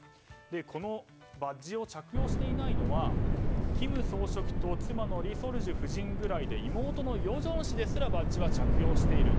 このバッジを着用していないのは金総書記と妻のリ・ソルジュ夫人ぐらいで妹の与正氏ですらバッジは着用している。